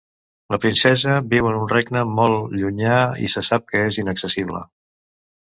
La princesa viu en un regne molt llunyà i se sap que és inaccessible.